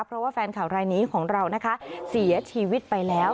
เพราะว่าแฟนข่าวรายนี้ของเรานะคะเสียชีวิตไปแล้ว